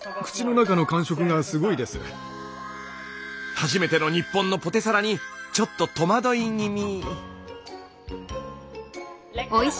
初めての日本のポテサラにちょっと戸惑い気味。